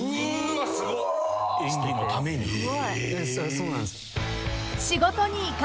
そうなんですよ。